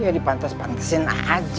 ya dipantas pantasin aja